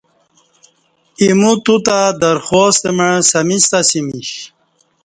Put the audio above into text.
ایمو تو تہ درخواست مع سمیستہ اسہ میش۔